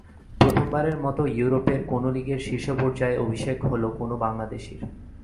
প্রথমবারের মতো ইউরোপের কোনো লিগের শীর্ষ পর্যায়ে অভিষেক হলো কোনো বাংলাদেশির।